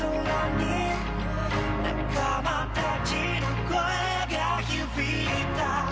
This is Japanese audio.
「仲間たちの声が響いた」